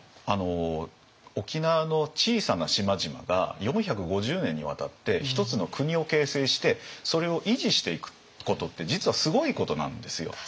沖縄の小さな島々が４５０年にわたって一つの国を形成してそれを維持していくことって実はすごいことなんですよ。